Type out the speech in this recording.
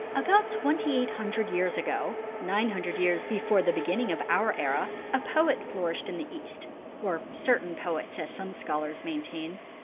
About twenty eight hundred years ago, nine hundred years before the beginning of our era, a poet flourished in the East, or certain poets as some scholars maintain.